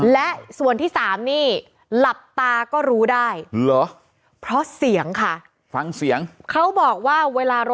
และส่วนที่๓นี่หลับตาก็รู้ได้เหรอเพราะเสียงค่ะฟังเสียงเขาบอกว่าเวลารอ